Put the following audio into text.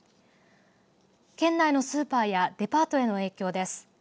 県内のスーパーやデパートへの影響です。